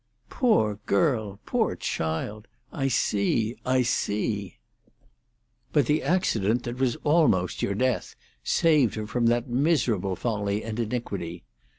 "Poor girl! poor child! I see, I see." "But the accident that was almost your death saved her from that miserable folly and iniquity.